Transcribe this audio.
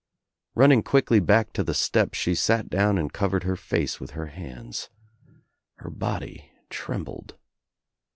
Running quickly back to the step she sat down and covered her face with her hands. Her body trembled.